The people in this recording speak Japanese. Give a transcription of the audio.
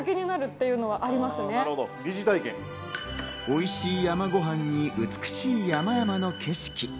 おいしい山ごはんに、美しい山々の景色。